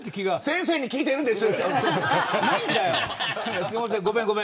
先生に聞いているんです。